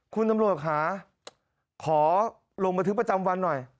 คุณตำรวจค่ะขอลงบันทึกประจำวันหน่อย